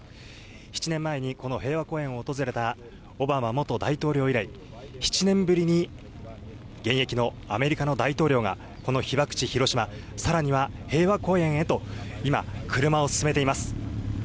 ７年前にこの平和公園を訪れたオバマ元大統領以来、７年ぶりに現役のアメリカの大統領が、この被爆地、広島、さらには平和公園へと今、車を進めています。